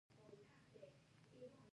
زراعت د افغانستان د بڼوالۍ یوه برخه ده.